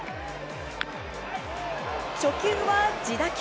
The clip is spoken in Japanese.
初球は自打球。